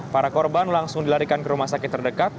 para korban langsung dilarikan ke rumah sakit terdekat